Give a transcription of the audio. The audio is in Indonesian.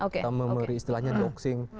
kita memberi istilahnya doxing